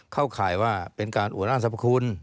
เข้าข่ายว่าเป็นการอุณาตสรรพคุณ